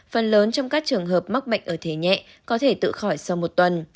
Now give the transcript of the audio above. phần lớn trong các trường hợp mắc bệnh ở thể nhẹ có thể tự khỏi sau một tuần